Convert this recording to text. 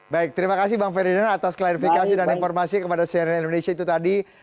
baik terima kasih bang ferdinand atas klarifikasi dan informasi kepada cnn indonesia itu tadi